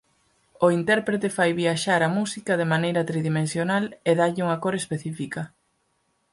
O intérprete fai "viaxar" a música de maneira tridimensional e dálle unha cor específica.